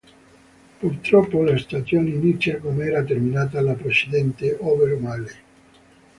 Purtroppo la stagione inizia come era terminata la precedente, ovvero male.